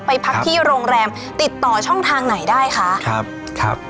ไปพักที่โรงแรมติดต่อช่องทางไหนได้คะครับครับ